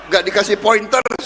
gak dikasih pointers